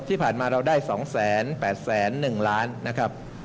ที่ผ่านมาเราได้๒๐๐๘๐๐๑ล้า